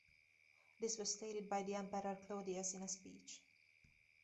This was stated by the Emperor Claudius in a speech.